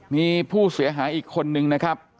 มีผู้เสียหายอีกคนนึงนะครับ